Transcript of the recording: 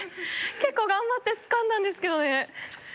結構頑張ってつかんだんですけどね。